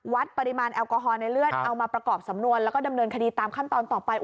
วัดปริมาณแอลกอฮอลในเลือดเอามาประกอบสำนวนแล้วก็ดำเนินคดีตามขั้นตอนต่อไป